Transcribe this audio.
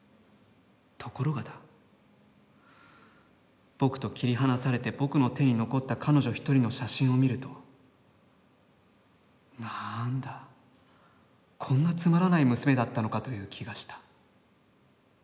ところがだ、僕と切離されて僕の手に残った彼女一人の写真を見ると、なあんだ、こんなつまらない娘だったのかという気がした。